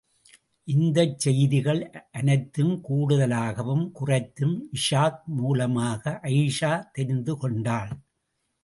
இந்தச் செய்திகள் அனைத்தும் கூடுதலாகவும் குறைத்தும் இஷாக் மூலமாக அயீஷா தெரிந்து கொண்டாள்.